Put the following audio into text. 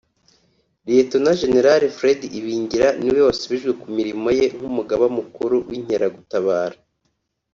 Lt General Fred Ibingira niwe wasubijwe ku mirimo ye nk’Umugaba Mukuru w’Inkeragutabara